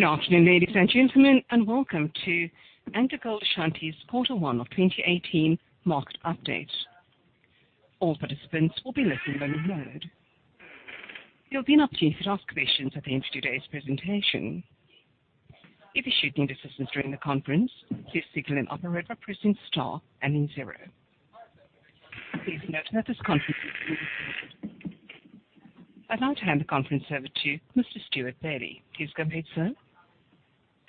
Good afternoon, ladies and gentlemen, welcome to AngloGold Ashanti's Q1 2018 Market Update. All participants will be listening only mode. There'll be an opportunity to ask questions at the end of today's presentation. If you should need assistance during the conference, please signal an operator by pressing star and then zero. Please note that this conference is being recorded. I'd like to hand the conference over to Mr. Stewart Bailey. Please go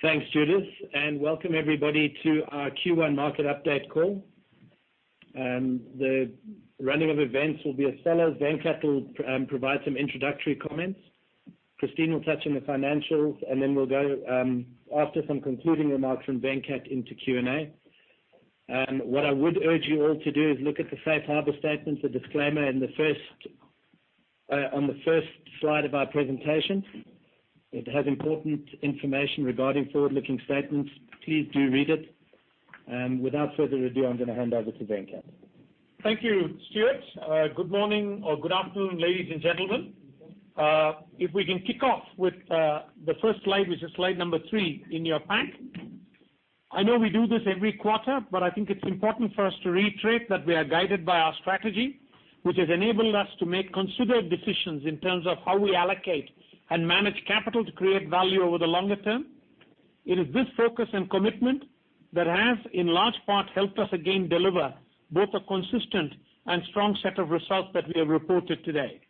ahead, sir. Thanks, Judith, welcome everybody to our Q1 market update call. The running of events will be as follows, Venkat will provide some introductory comments. Christine will touch on the financials, we'll go, after some concluding remarks from Venkat, into Q&A. What I would urge you all to do is look at the safe harbor statement, the disclaimer on the first slide of our presentation. It has important information regarding forward-looking statements. Please do read it. Without further ado, I'm going to hand over to Venkat. Thank you, Stewart. Good morning or good afternoon, ladies and gentlemen. If we can kick off with the first slide, which is slide number three in your pack. I know we do this every quarter, I think it's important for us to reiterate that we are guided by our strategy, which has enabled us to make considered decisions in terms of how we allocate and manage capital to create value over the longer term. It is this focus and commitment that has, in large part, helped us again deliver both a consistent and strong set of results that we have reported today.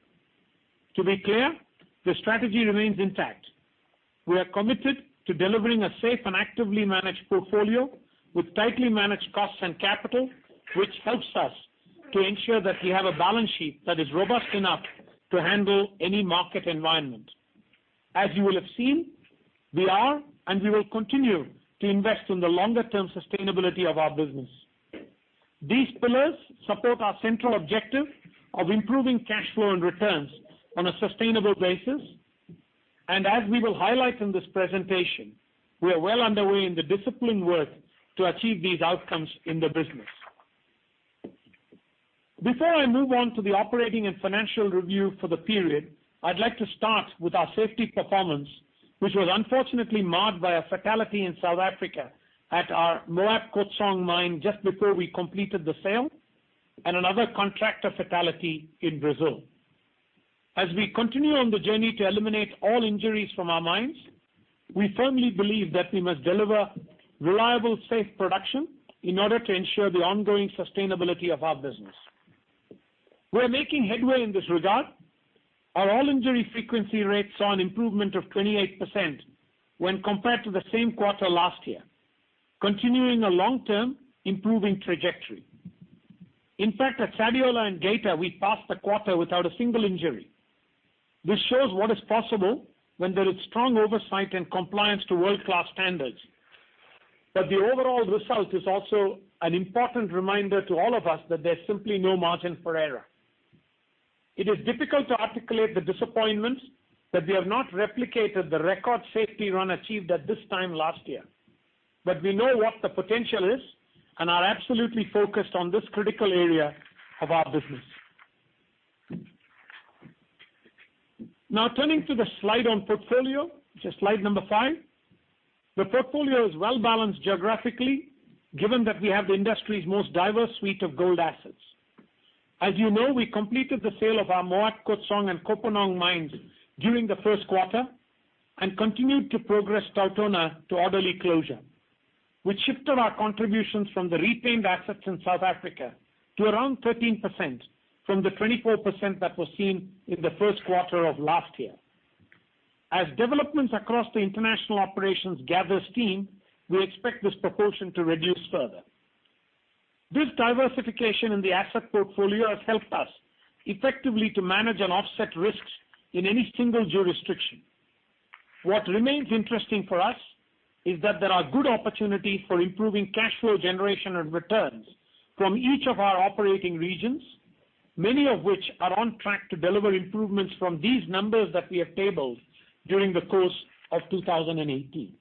To be clear, the strategy remains intact. We are committed to delivering a safe and actively managed portfolio with tightly managed costs and capital, which helps us to ensure that we have a balance sheet that is robust enough to handle any market environment. As you will have seen, we are, and we will continue to invest in the longer term sustainability of our business. These pillars support our central objective of improving cash flow and returns on a sustainable basis. As we will highlight in this presentation, we are well underway in the disciplined work to achieve these outcomes in the business. Before I move on to the operating and financial review for the period, I'd like to start with our safety performance, which was unfortunately marred by a fatality in South Africa at our Moab Khotsong mine just before we completed the sale, and another contractor fatality in Brazil. As we continue on the journey to eliminate all injuries from our mines, we firmly believe that we must deliver reliable, safe production in order to ensure the ongoing sustainability of our business. We're making headway in this regard. Our all-injury frequency rate saw an improvement of 28% when compared to the same quarter last year, continuing a long-term improving trajectory. In fact, at Sadiola and Geita, we passed a quarter without a single injury. This shows what is possible when there is strong oversight and compliance to world-class standards. The overall result is also an important reminder to all of us that there's simply no margin for error. It is difficult to articulate the disappointment that we have not replicated the record safety run achieved at this time last year. We know what the potential is and are absolutely focused on this critical area of our business. Turning to the slide on portfolio, which is slide number five. The portfolio is well-balanced geographically, given that we have the industry's most diverse suite of gold assets. As you know, we completed the sale of our Moab Khotsong and Kopanang mines during the first quarter and continued to progress TauTona to orderly closure, which shifted our contributions from the retained assets in South Africa to around 13% from the 24% that was seen in the first quarter of last year. As developments across the international operations gather steam, we expect this proportion to reduce further. This diversification in the asset portfolio has helped us effectively to manage and offset risks in any single jurisdiction. What remains interesting for us is that there are good opportunities for improving cash flow generation and returns from each of our operating regions, many of which are on track to deliver improvements from these numbers that we have tabled during the course of 2018.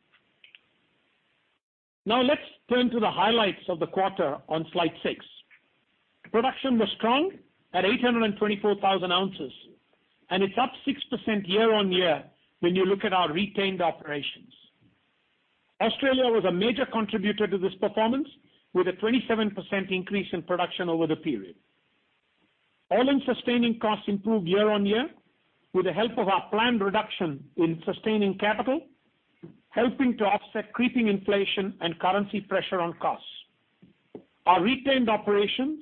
Let's turn to the highlights of the quarter on slide six. Production was strong at 824,000 ounces, and it's up 6% year-over-year when you look at our retained operations. Australia was a major contributor to this performance, with a 27% increase in production over the period. All-in Sustaining Costs improved year-over-year with the help of our planned reduction in sustaining capital, helping to offset creeping inflation and currency pressure on costs. Our retained operations,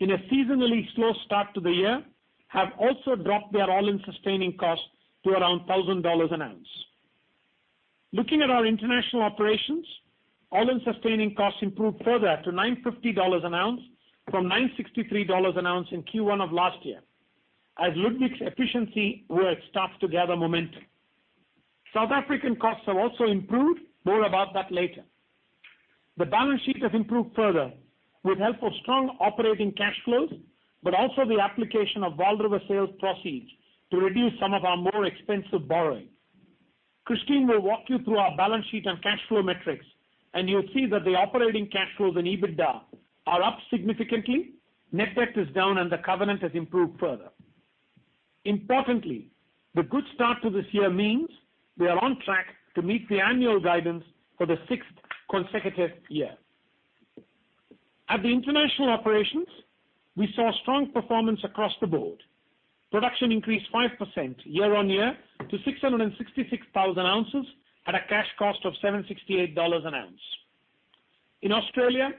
in a seasonally slow start to the year, have also dropped their All-in Sustaining Cost to around $1,000 an ounce. Looking at our international operations, All-in Sustaining Costs improved further to $950 an ounce from $963 an ounce in Q1 of last year, as Ludwig's efficiency work starts to gather momentum. South African costs have also improved. More about that later. The balance sheet has improved further with help of strong operating cash flows, also the application of Vaal River sales proceeds to reduce some of our more expensive borrowing. Christine will walk you through our balance sheet and cash flow metrics, you'll see that the operating cash flows and EBITDA are up significantly, net debt is down, and the covenant has improved further. Importantly, the good start to this year means we are on track to meet the annual guidance for the sixth consecutive year. At the international operations, we saw strong performance across the board. Production increased 5% year-on-year to 666,000 ounces at a cash cost of $768 an ounce. In Australia,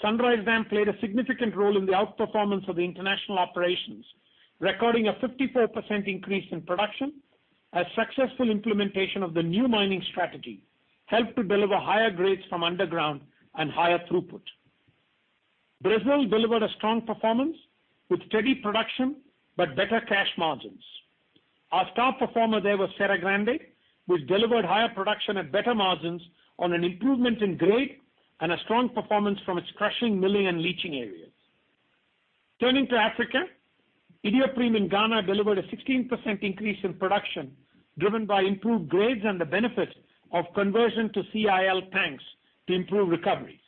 Sunrise Dam played a significant role in the outperformance of the international operations, recording a 54% increase in production as successful implementation of the new mining strategy helped to deliver higher grades from underground and higher throughput. Brazil delivered a strong performance with steady production but better cash margins. Our star performer there was Serra Grande, which delivered higher production at better margins on an improvement in grade and a strong performance from its crushing, milling, and leaching areas. Turning to Africa, Iduapriem in Ghana delivered a 16% increase in production, driven by improved grades and the benefit of conversion to CIL tanks to improve recovery.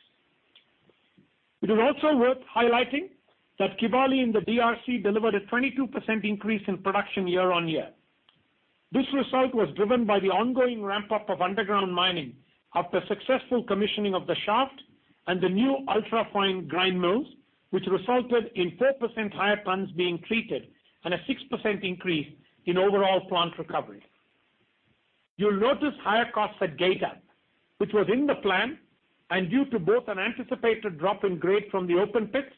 It is also worth highlighting that Kibali in the DRC delivered a 22% increase in production year-on-year. This result was driven by the ongoing ramp-up of underground mining after successful commissioning of the shaft and the new ultra-fine grind mills, which resulted in 4% higher tons being treated and a 6% increase in overall plant recovery. You'll notice higher costs at Geita, which was in the plan and due to both an anticipated drop in grade from the open pits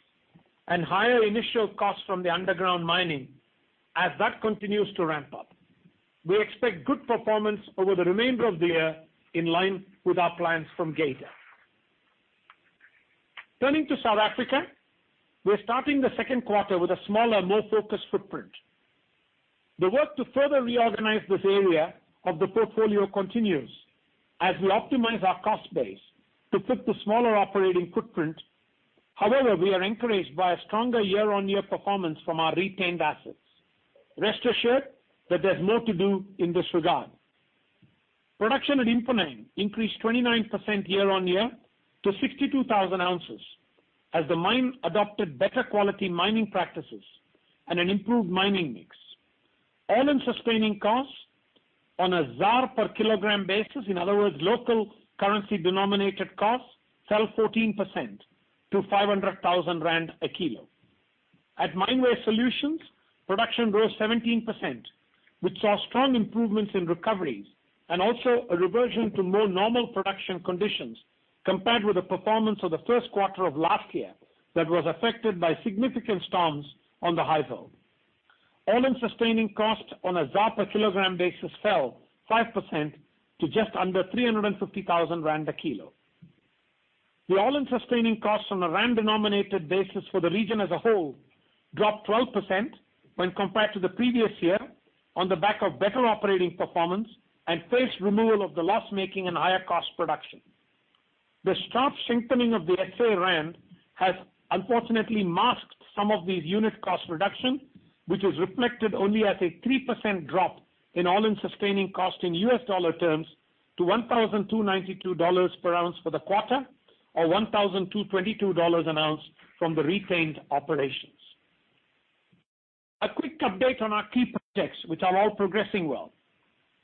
and higher initial costs from the underground mining as that continues to ramp up. We expect good performance over the remainder of the year in line with our plans from Geita. Turning to South Africa, we're starting the second quarter with a smaller, more focused footprint. The work to further reorganize this area of the portfolio continues as we optimize our cost base to fit the smaller operating footprint. We are encouraged by a stronger year-on-year performance from our retained assets. Rest assured that there's more to do in this regard. Production at Mponeng increased 29% year-on-year to 62,000 ounces, as the mine adopted better quality mining practices and an improved mining mix. All-in Sustaining Costs on a ZAR per kilogram basis, in other words, local currency denominated costs, fell 14% to 500,000 rand a kilo. At Mine Waste Solutions, production grew 17%, which saw strong improvements in recoveries and also a reversion to more normal production conditions compared with the performance of the first quarter of last year that was affected by significant storms on the Highveld. All-in Sustaining Costs on a ZAR per kilogram basis fell 5% to just under 350,000 rand a kilo. The All-in Sustaining Costs on a ZAR-denominated basis for the region as a whole dropped 12% when compared to the previous year on the back of better operating performance and phased removal of the loss-making and higher cost production. The sharp strengthening of the SA rand has unfortunately masked some of these unit cost reduction, which is reflected only as a 3% drop in All-in Sustaining Cost in US dollar terms to $1,292 per ounce for the quarter, or $1,222 an ounce from the retained operations. A quick update on our key projects, which are all progressing well.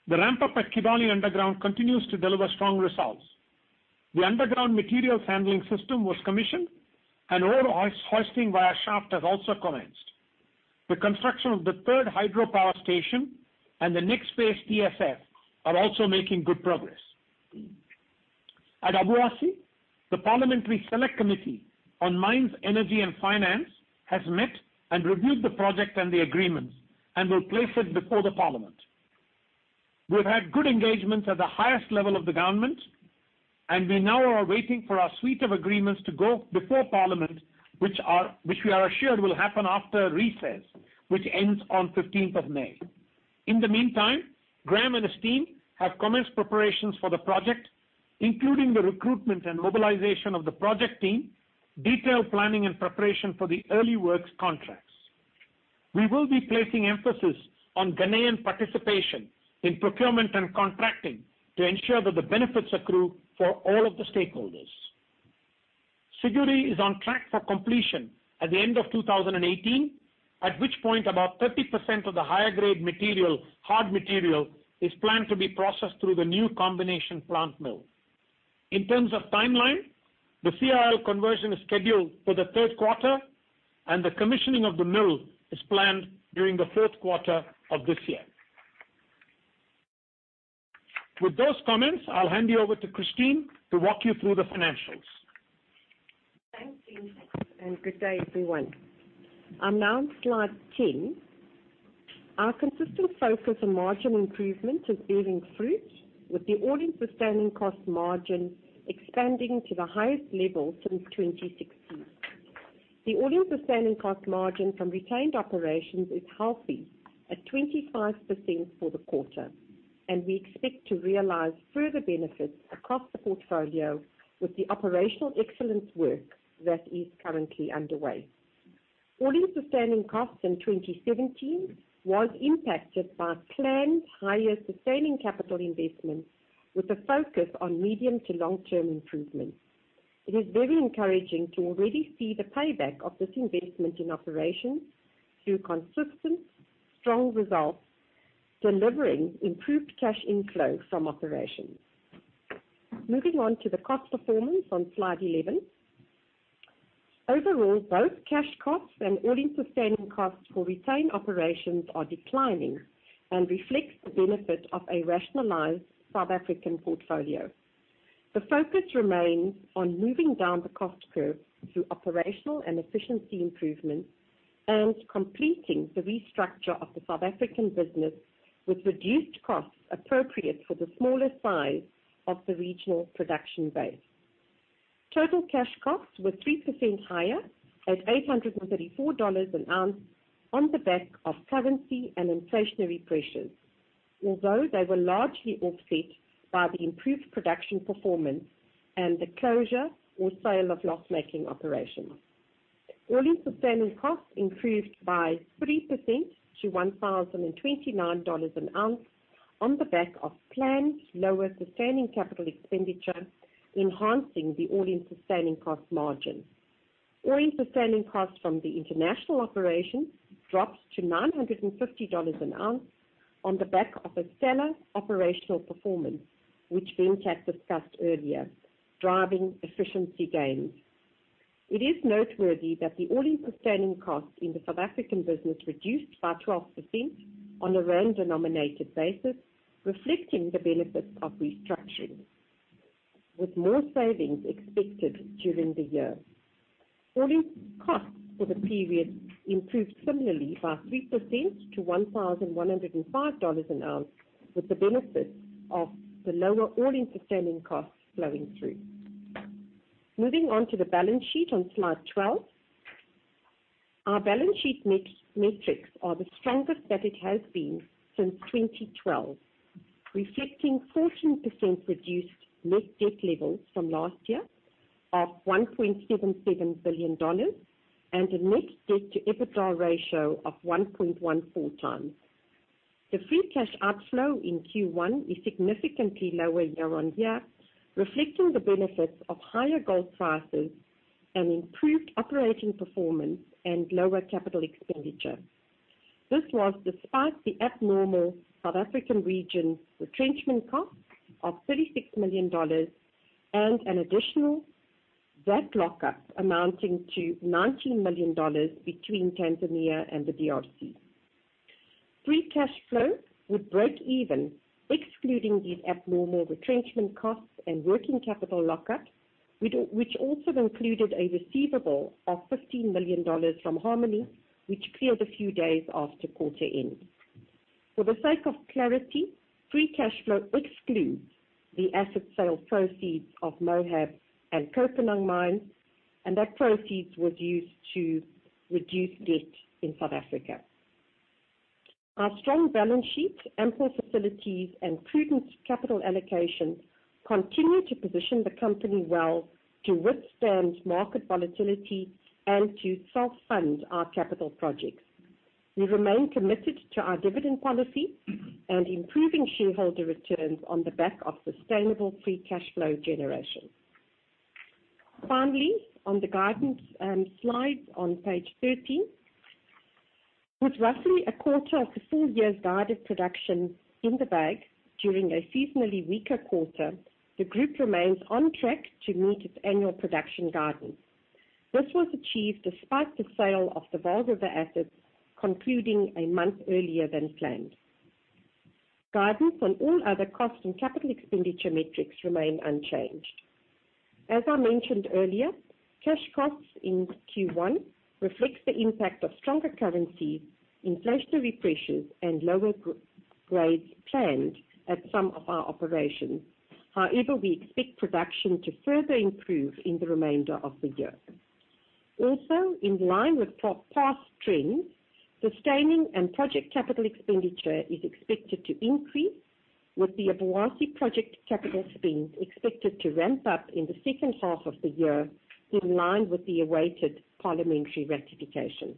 The ramp-up at Kibali Underground continues to deliver strong results. The underground materials handling system was commissioned, and ore hoisting via shaft has also commenced. The construction of the third hydropower station and the next phase TSF are also making good progress. At Obuasi, the Parliamentary Select Committee on Mines, Energy, and Finance has met and reviewed the project and the agreements and will place it before the Parliament. We've had good engagement at the highest level of the government, and we now are waiting for our suite of agreements to go before Parliament, which we are assured will happen after recess, which ends on 15th of May. In the meantime, Graham and his team have commenced preparations for the project, including the recruitment and mobilization of the project team, detailed planning, and preparation for the early works contracts. We will be placing emphasis on Ghanaian participation in procurement and contracting to ensure that the benefits accrue for all of the stakeholders. Siguiri is on track for completion at the end of 2018, at which point about 30% of the higher-grade material, hard material, is planned to be processed through the new comminution plant mill. In terms of timeline, the CIL conversion is scheduled for the third quarter, and the commissioning of the mill is planned during the fourth quarter of this year. With those comments, I'll hand you over to Christine to walk you through the financials. Thanks, Srinivasan, good day, everyone. I'm now on slide 10. Our consistent focus on margin improvement is bearing fruit, with the All-in Sustaining Cost margin expanding to the highest level since 2016. The All-in Sustaining Cost margin from retained operations is healthy at 25% for the quarter, and we expect to realize further benefits across the portfolio with the operational excellence work that is currently underway. All-in Sustaining Costs in 2017 was impacted by planned higher sustaining capital investments with a focus on medium to long-term improvements. It is very encouraging to already see the payback of this investment in operations through consistent, strong results delivering improved cash inflow from operations. Moving on to the cost performance on slide 11. Overall, both cash costs and All-in Sustaining Costs for retained operations are declining and reflect the benefit of a rationalized South African portfolio. The focus remains on moving down the cost curve through operational and efficiency improvements and completing the restructure of the South African business with reduced costs appropriate for the smaller size of the regional production base. Total cash costs were 3% higher at $834 an ounce on the back of currency and inflationary pressures, although they were largely offset by the improved production performance and the closure or sale of loss-making operations. All-in Sustaining Costs improved by 3% to $1,029 an ounce on the back of planned lower sustaining capital expenditure, enhancing the All-in Sustaining Cost margin. All-in Sustaining Costs from the international operations dropped to $950 an ounce on the back of a stellar operational performance, which Venkat discussed earlier, driving efficiency gains. It is noteworthy that the All-in Sustaining Costs in the South African business reduced by 12% on a Rand-denominated basis, reflecting the benefits of restructuring, with more savings expected during the year. All-in costs for the period improved similarly by 3% to $1,105 an ounce, with the benefit of the lower All-in Sustaining Costs flowing through. Moving on to the balance sheet on slide 12. Our balance sheet metrics are the strongest that it has been since 2012, reflecting 14% reduced net debt levels from last year of $1.77 billion and a net debt to EBITDA ratio of 1.14 times. The free cash outflow in Q1 is significantly lower year on year, reflecting the benefits of higher gold prices and improved operating performance and lower capital expenditure. This was despite the abnormal South African region retrenchment cost of $36 million and an additional debt lockup amounting to $19 million between Tanzania and the DRC. Free cash flow would break even excluding these abnormal retrenchment costs and working capital lockup, which also included a receivable of $15 million from Harmony, which cleared a few days after quarter end. For the sake of clarity, free cash flow excludes the asset sale proceeds of Moab and Kopanang mines, and that proceeds was used to reduce debt in South Africa. Our strong balance sheet, ample facilities, and prudent capital allocation continue to position the company well to withstand market volatility and to self-fund our capital projects. We remain committed to our dividend policy and improving shareholder returns on the back of sustainable free cash flow generation. Finally, on the guidance slide on page 13. With roughly a quarter of the full year's guided production in the bag during a seasonally weaker quarter, the group remains on track to meet its annual production guidance. This was achieved despite the sale of the Vaal River assets concluding a month earlier than planned. Guidance on all other cost and capital expenditure metrics remain unchanged. As I mentioned earlier, cash costs in Q1 reflects the impact of stronger currency, inflationary pressures, and lower grades planned at some of our operations. However, we expect production to further improve in the remainder of the year. Also, in line with past trends, sustaining and project capital expenditure is expected to increase with the Obuasi project capital spend expected to ramp up in the second half of the year in line with the awaited parliamentary ratification.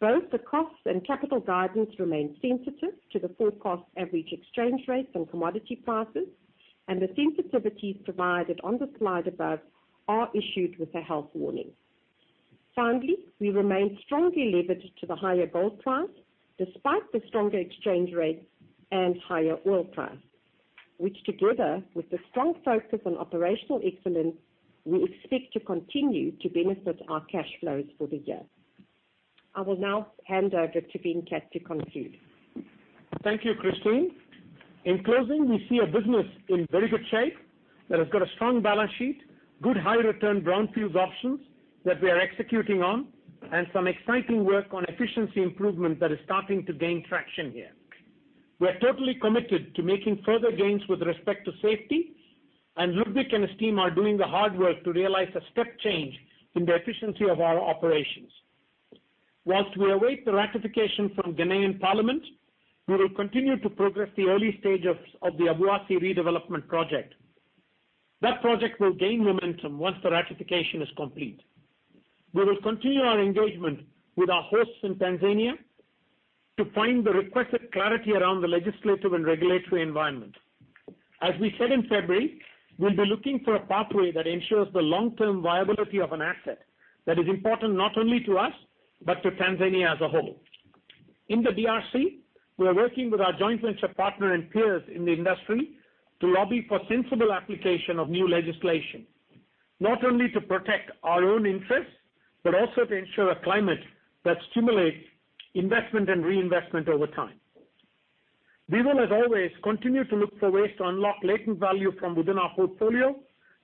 Both the costs and capital guidance remain sensitive to the forecast average exchange rates and commodity prices, and the sensitivities provided on the slide above are issued with a health warning. Finally, we remain strongly levered to the higher gold price despite the stronger exchange rate and higher oil price, which together with the strong focus on operational excellence, we expect to continue to benefit our cash flows for the year. I will now hand over to Venkat to conclude. Thank you, Christine. In closing, we see a business in very good shape that has got a strong balance sheet, good high-return brownfields options that we are executing on, and some exciting work on efficiency improvement that is starting to gain traction here. We are totally committed to making further gains with respect to safety, and Ludwig and his team are doing the hard work to realize a step change in the efficiency of our operations. Whilst we await the ratification from Ghanaian Parliament, we will continue to progress the early stage of the Obuasi redevelopment project. That project will gain momentum once the ratification is complete. We will continue our engagement with our hosts in Tanzania to find the requested clarity around the legislative and regulatory environment. As we said in February, we will be looking for a pathway that ensures the long-term viability of an asset that is important not only to us but to Tanzania as a whole. In the DRC, we are working with our joint venture partner and peers in the industry to lobby for sensible application of new legislation, not only to protect our own interests, but also to ensure a climate that stimulates investment and reinvestment over time. We will, as always, continue to look for ways to unlock latent value from within our portfolio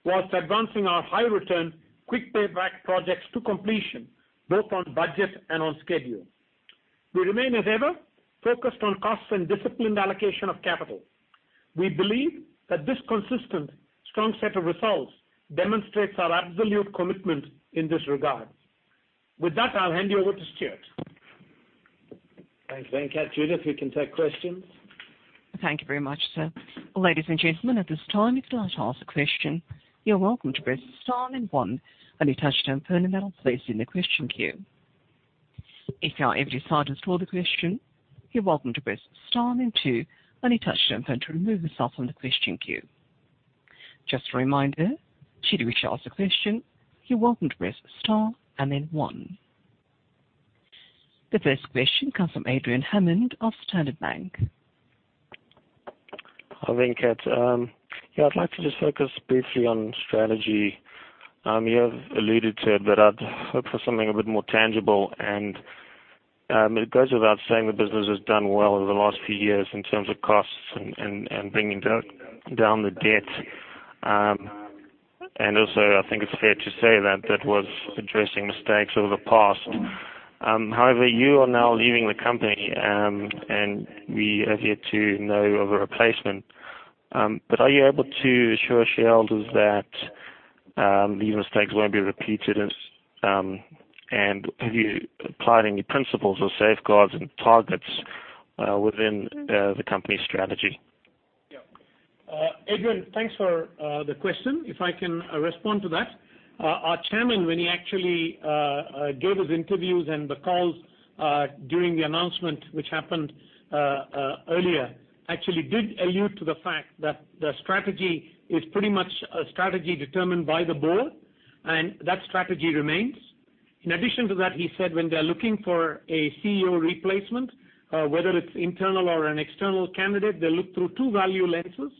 while advancing our high return, quick payback projects to completion, both on budget and on schedule. We remain, as ever, focused on cost and disciplined allocation of capital. We believe that this consistent strong set of results demonstrates our absolute commitment in this regard. With that, I will hand you over to Stewart. Thanks, Venkat. Judith, we can take questions. Thank you very much, sir. Ladies and gentlemen, at this time, if you would like to ask a question, you are welcome to press star and one when you touch down permanently placed in the question queue. If you are able to decide to store the question, you are welcome to press star then two when you touch down then to remove yourself from the question queue. Just a reminder, should you wish to ask a question, you are welcome to press star and then one. The first question comes from Adrian Hammond of SBG Securities. Hi, Venkat. Yeah, I'd like to just focus briefly on strategy. You have alluded to it, but I'd hope for something a bit more tangible. It goes without saying, the business has done well over the last few years in terms of costs and bringing down the debt. Also, I think it's fair to say that that was addressing mistakes of the past. However, you are now leaving the company, and we have yet to know of a replacement. Are you able to assure shareholders that these mistakes won't be repeated? Have you applied any principles or safeguards and targets within the company strategy? Yeah. Adrian, thanks for the question. If I can respond to that. Our chairman, when he actually gave his interviews and the calls during the announcement, which happened earlier, actually did allude to the fact that the strategy is pretty much a strategy determined by the board, and that strategy remains. In addition to that, he said when they're looking for a CEO replacement, whether it's internal or an external candidate, they look through two value lenses.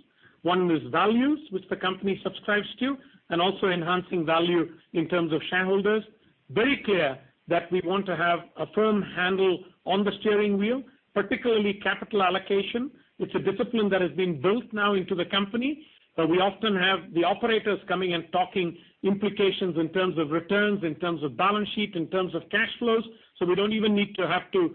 One is values, which the company subscribes to, and also enhancing value in terms of shareholders. Very clear that we want to have a firm handle on the steering wheel, particularly capital allocation. It's a discipline that has been built now into the company, where we often have the operators coming and talking implications in terms of returns, in terms of balance sheet, in terms of cash flows. We don't even need to have to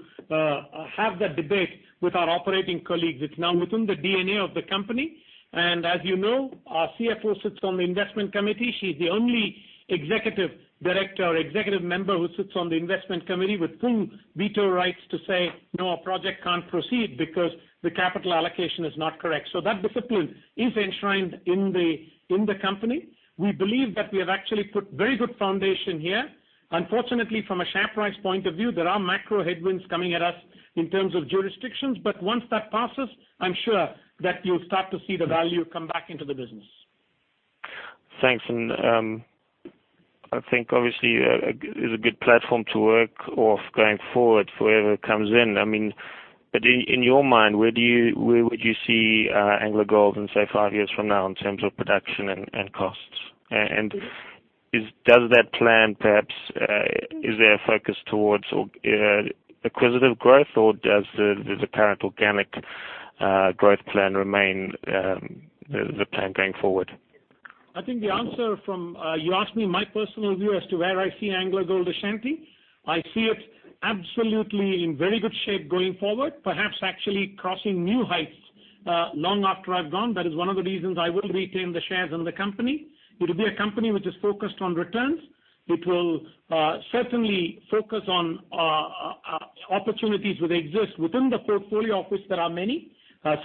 have that debate with our operating colleagues. It's now within the DNA of the company. As you know, our CFO sits on the investment committee. She's the only executive director or executive member who sits on the investment committee with full veto rights to say, "No, our project can't proceed because the capital allocation is not correct." That discipline is enshrined in the company. We believe that we have actually put very good foundation here. Unfortunately, from a share price point of view, there are macro headwinds coming at us in terms of jurisdictions. Once that passes, I'm sure that you'll start to see the value come back into the business. Thanks. I think obviously it's a good platform to work off going forward for whoever comes in. In your mind, where would you see AngloGold in, say, five years from now in terms of production and costs? Does that plan perhaps, is there a focus towards acquisitive growth, or does the current organic growth plan remain the plan going forward? I think the answer. You asked me my personal view as to where I see AngloGold Ashanti. I see it absolutely in very good shape going forward, perhaps actually crossing new heights, long after I've gone. That is one of the reasons I will retain the shares in the company. It'll be a company which is focused on returns. It will certainly focus on opportunities where they exist within the portfolio, of which there are many.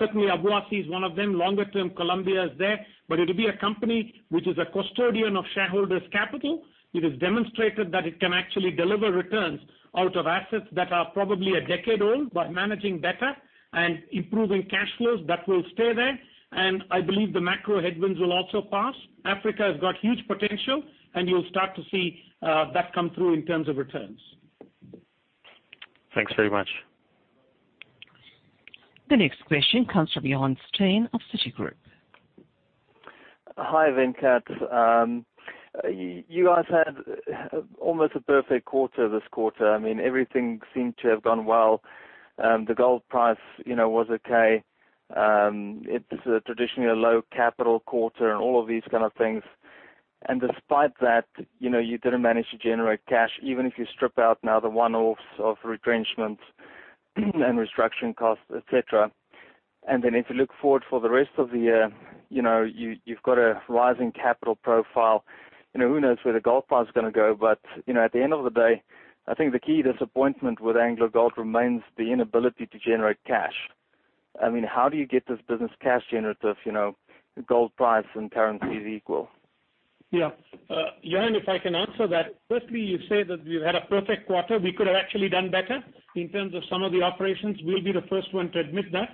Certainly, Obuasi is one of them. Longer term, Colombia is there. It'll be a company which is a custodian of shareholders' capital. It has demonstrated that it can actually deliver returns out of assets that are probably a decade old by managing better and improving cash flows that will stay there. I believe the macro headwinds will also pass. Africa has got huge potential, you'll start to see that come through in terms of returns. Thanks very much. The next question comes from Johann Steyn of Citigroup. Hi, Venkat. You guys had almost a perfect quarter this quarter. Everything seemed to have gone well. The gold price was okay. It's traditionally a low capital quarter and all of these kind of things. Despite that, you didn't manage to generate cash, even if you strip out now the one-offs of retrenchment and restructuring costs, et cetera. If you look forward for the rest of the year, you've got a rising capital profile. Who knows where the gold price is going to go? At the end of the day, I think the key disappointment with AngloGold remains the inability to generate cash. How do you get this business cash generative, gold price and currency is equal? Yeah. Johann, if I can answer that. Firstly, you say that we've had a perfect quarter. We could have actually done better in terms of some of the operations. We'll be the first one to admit that.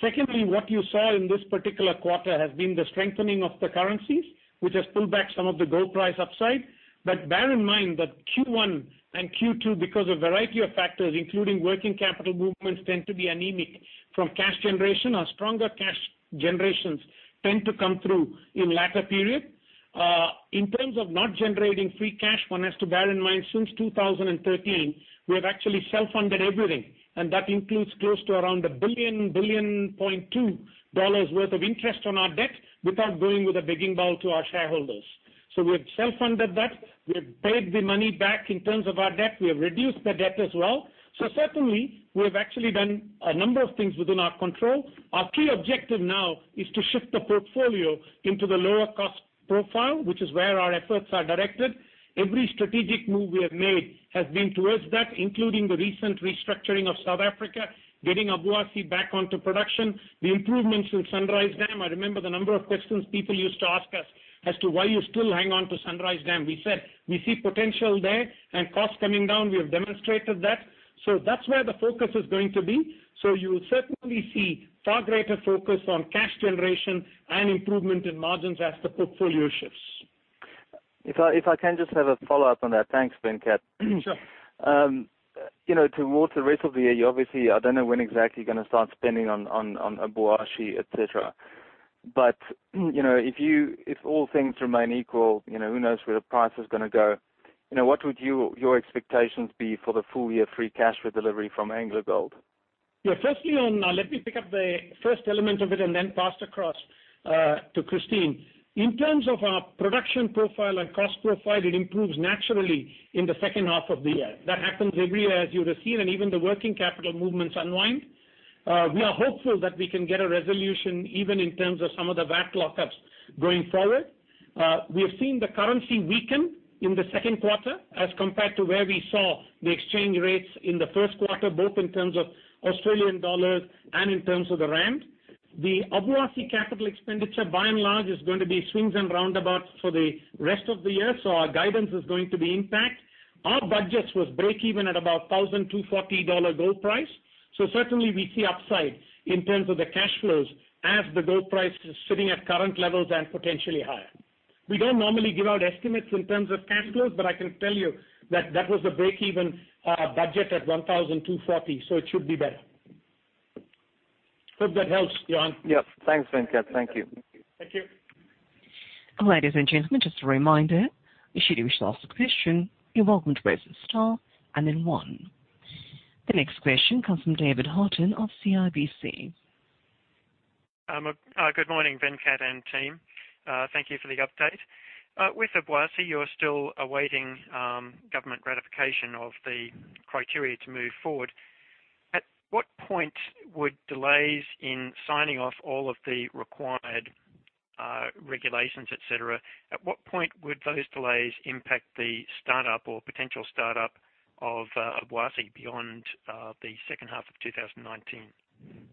Secondly, what you saw in this particular quarter has been the strengthening of the currencies, which has pulled back some of the gold price upside. Bear in mind that Q1 and Q2, because of a variety of factors, including working capital movements, tend to be anemic from cash generation. Our stronger cash generations tend to come through in latter period. In terms of not generating free cash, one has to bear in mind, since 2013, we have actually self-funded everything, and that includes close to around a billion, $1.2 worth of interest on our debt without going with a begging bowl to our shareholders. We have self-funded that. We have paid the money back in terms of our debt. We have reduced the debt as well. Certainly, we have actually done a number of things within our control. Our key objective now is to shift the portfolio into the lower cost profile, which is where our efforts are directed. Every strategic move we have made has been towards that, including the recent restructuring of South Africa, getting Obuasi back onto production, the improvements in Sunrise Dam. I remember the number of questions people used to ask us as to why you still hang on to Sunrise Dam. We said we see potential there and costs coming down. We have demonstrated that. That's where the focus is going to be. You will certainly see far greater focus on cash generation and improvement in margins as the portfolio shifts. If I can just have a follow-up on that. Thanks, Venkat. Sure. Towards the rest of the year, obviously, I don't know when exactly you're going to start spending on Obuasi, et cetera. If all things remain equal, who knows where the price is gonna go? What would your expectations be for the full year free cash flow delivery from AngloGold? Firstly on that, let me pick up the first element of it and then pass across to Christine. In terms of our production profile and cost profile, it improves naturally in the second half of the year. That happens every year as you would have seen, and even the working capital movements unwind. We are hopeful that we can get a resolution even in terms of some of the back lock-ups going forward. We have seen the currency weaken in the second quarter as compared to where we saw the exchange rates in the first quarter, both in terms of AUD and in terms of the ZAR. The Obuasi capital expenditure, by and large, is going to be swings and roundabouts for the rest of the year, so our guidance is going to be intact. Our budgets was breakeven at about $1,240 gold price. Certainly, we see upside in terms of the cash flows as the gold price is sitting at current levels and potentially higher. We don't normally give out estimates in terms of cash flows, but I can tell you that that was the breakeven budget at $1,240, so it should be better. Hope that helps, Johann. Yep. Thanks, Venkat. Thank you. Thank you. Ladies and gentlemen, just a reminder, should you wish to ask a question, you are welcome to press star and then one. The next question comes from David Haughton of CIBC. Good morning, Venkat and team. Thank you for the update. With Obuasi, you are still awaiting government ratification of the criteria to move forward. At what point would delays in signing off all of the required regulations, et cetera, at what point would those delays impact the start-up or potential start-up of Obuasi beyond the second half of 2019?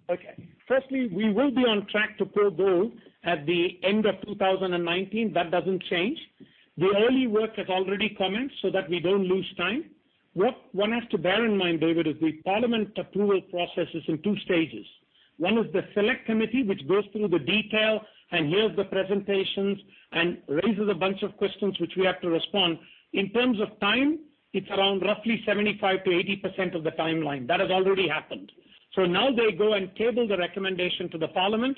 Okay. Firstly, we will be on track to pour gold at the end of 2019. That doesn't change. The early work has already commenced so that we don't lose time. What one has to bear in mind, David, is the Parliament approval process is in 2 stages. One is the Select Committee, which goes through the detail and hears the presentations and raises a bunch of questions which we have to respond. In terms of time, it's around roughly 75%-80% of the timeline. That has already happened. Now they go and table the recommendation to the Parliament.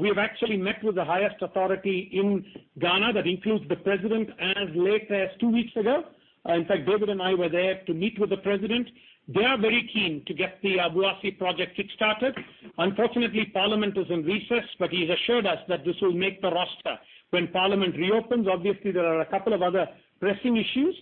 We have actually met with the highest authority in Ghana, that includes the president, as late as 2 weeks ago. In fact, David and I were there to meet with the president. They are very keen to get the Obuasi project kick-started. Unfortunately, Parliament is in recess, he's assured us that this will make the roster when Parliament reopens. There are a couple of other pressing issues,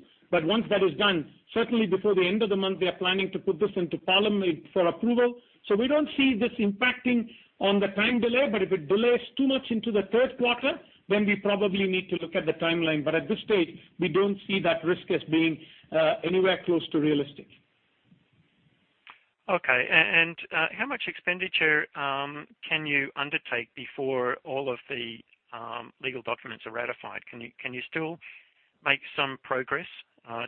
once that is done, certainly before the end of the month, we are planning to put this into Parliament for approval. We don't see this impacting on the time delay, if it delays too much into the third quarter, we probably need to look at the timeline. At this stage, we don't see that risk as being anywhere close to realistic. How much expenditure can you undertake before all of the legal documents are ratified? Can you still make some progress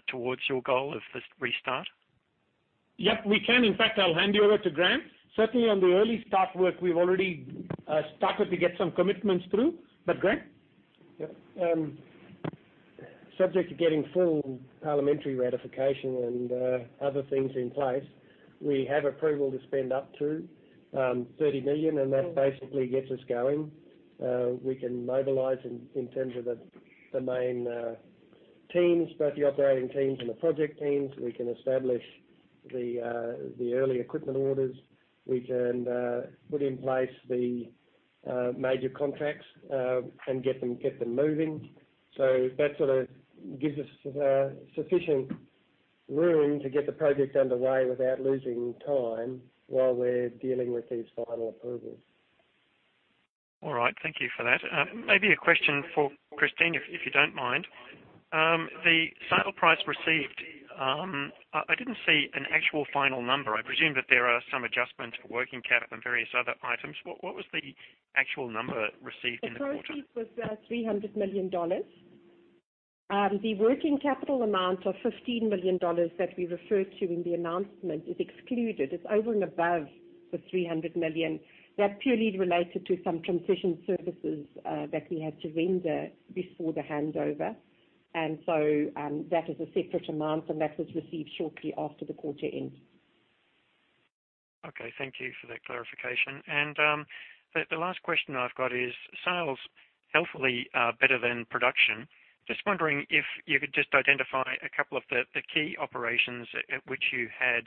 towards your goal of this restart? We can. In fact, I'll hand you over to Graham. Certainly, on the early start work, we've already started to get some commitments through. Graham? Subject to getting full Parliamentary ratification and other things in place, we have approval to spend up to $30 million, that basically gets us going. We can mobilize in terms of the main teams, both the operating teams and the project teams. We can establish the early equipment orders. We can put in place the major contracts and get them moving. That sort of gives us sufficient room to get the project underway without losing time while we're dealing with these final approvals. All right. Thank you for that. Maybe a question for Christine, if you don't mind. The sale price received, I didn't see an actual final number. I presume that there are some adjustments for working capital and various other items. What was the actual number received in the quarter? The proceeds was $300 million. The working capital amount of $15 million that we referred to in the announcement is excluded. It's over and above the $300 million. That purely is related to some transition services that we had to render before the handover. So that is a separate amount, and that was received shortly after the quarter end. Okay. Thank you for that clarification. The last question I've got is, sales healthily are better than production. Just wondering if you could just identify a couple of the key operations at which you had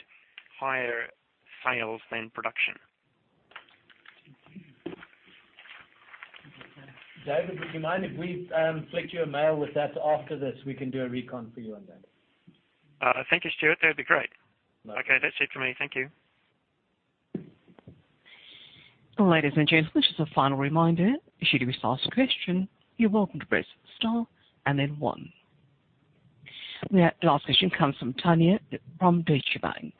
higher sales than production. David, would you mind if we flick you a mail with that after this? We can do a recon for you on that. Thank you, Stewart. That'd be great. No. Okay, that's it for me. Thank you. Ladies and gentlemen, this is a final reminder. Should you wish to ask a question, you're welcome to press star and then one. The last question comes from Tanya from Scotiabank.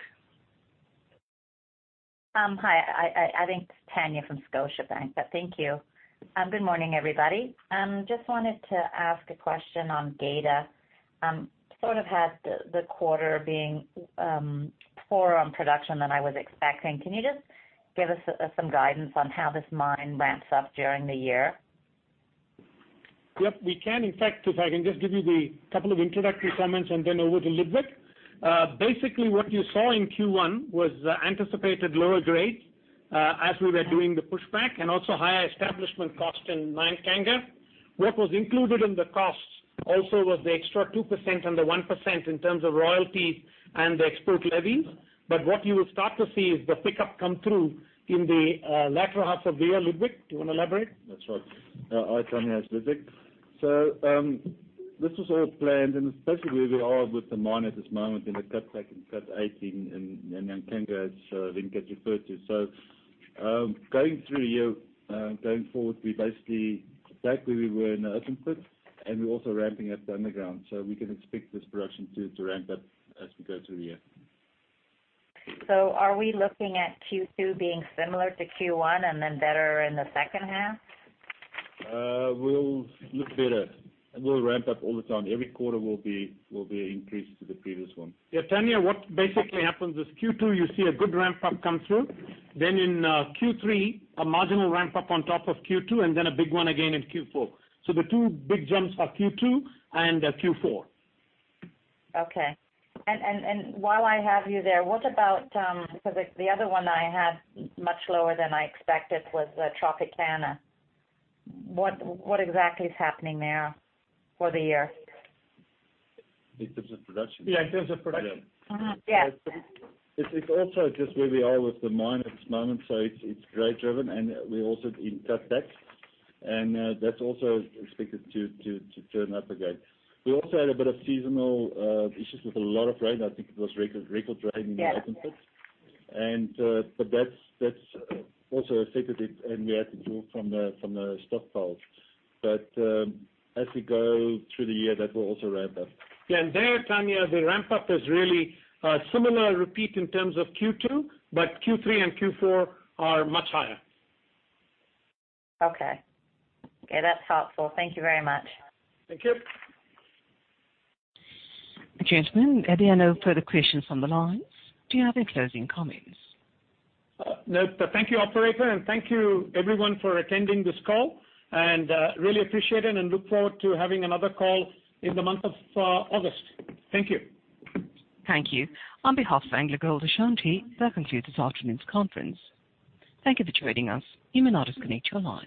Hi, I think it's Tanya from Scotiabank, but thank you. Good morning, everybody. Just wanted to ask a question on Geita. Sort of had the quarter being poor on production than I was expecting. Can you just give us some guidance on how this mine ramps up during the year? Yep. We can. In fact, if I can just give you the couple of introductory comments and then over to Ludwig. Basically, what you saw in Q1 was anticipated lower grade as we were doing the pushback and also higher establishment cost in Nyankanga. What was included in the costs also was the extra 2% and the 1% in terms of royalty and the export levies. What you will start to see is the pickup come through in the latter half of the year. Ludwig, do you want to elaborate? That's right. Hi, Tanya. It's Ludwig. This was all planned and especially where we are with the mine at this moment in the cutback in Cut 8 in Nyankanga as Ludwig Eybers referred to. Going through here, going forward, we basically back where we were in the open pit and we're also ramping up the underground. We can expect this production to ramp up as we go through the year. Are we looking at Q2 being similar to Q1 and then better in the second half? We'll look better. We'll ramp up all the time. Every quarter will be an increase to the previous one. Yeah, Tanya, what basically happens is Q2, you see a good ramp-up come through. In Q3, a marginal ramp-up on top of Q2, and then a big one again in Q4. The two big jumps are Q2 and Q4. Okay. While I have you there, what about, because the other one that I had much lower than I expected was Tropicana. What exactly is happening there for the year? In terms of production? Yeah, in terms of production. Mm-hmm. Yeah. It's also just where we are with the mine at this moment. It's grade driven and we also in cutback and that's also expected to turn up the grade. We also had a bit of seasonal issues with a lot of rain. I think it was record rain in the open pit. Yes. That's also affected it and we had to draw from the stockpile. As we go through the year, that will also ramp up. Yeah, there, Tanya, the ramp-up is really a similar repeat in terms of Q2, Q3 and Q4 are much higher. Okay. That's helpful. Thank you very much. Thank you. Gentlemen, there are no further questions on the lines. Do you have any closing comments? No. Thank you, operator, and thank you everyone for attending this call and really appreciate it and look forward to having another call in the month of August. Thank you. Thank you. On behalf of AngloGold Ashanti, that concludes this afternoon's conference. Thank you for joining us. You may now disconnect your lines.